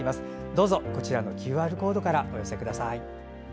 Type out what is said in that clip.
どうぞ、こちらのＱＲコードからお寄せください。